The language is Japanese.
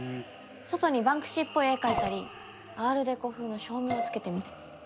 外にバンクシーっぽい絵描いたりアールデコ風の照明をつけてみたり。